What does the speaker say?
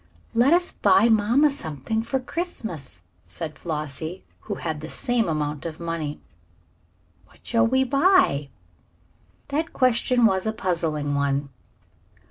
"Let us buy mamma something for Christmas," said Flossie, who had the same amount of money. "What shall we buy?" That question was a puzzling one.